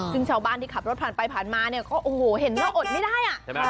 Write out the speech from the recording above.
ซึ่งชาวบ้านที่ขับรถผ่านไปผ่านมาเนี่ยก็โอ้โหเห็นหน้าอดไม่ได้อ่ะใช่ไหม